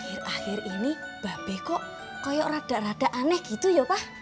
akhir akhir ini mbak beko kaya rada rada aneh gitu ya pak